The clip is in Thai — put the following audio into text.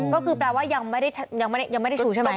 ก็คือรู้ใจว่ายังไม่ชูใช่ไหม